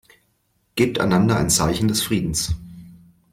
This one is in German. Gebt einander ein Zeichen des Friedens.